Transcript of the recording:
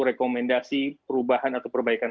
rekomendasi perubahan atau perbaikan